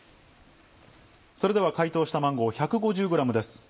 それでは解凍したマンゴー１５０ｇです。